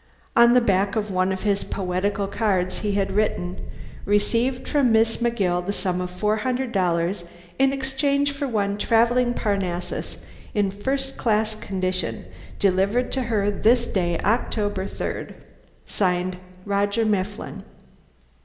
On the back of one of his poetical cards he had written: Received from Miss McGill the sum of four hundred dollars in exchange for one Travelling Parnassus in first class condition, delivered to her this day, October 3rd, 19 . Signed ROGER MIFFLIN.